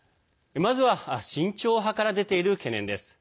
まずは、慎重派から出ている懸念です。